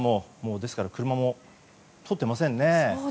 ですから車も通っていませんね。